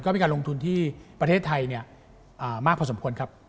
มีการลงทุนที่ประเทศไทยมากพอสมควรครับ